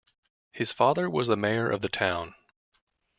His father was the mayor of the town.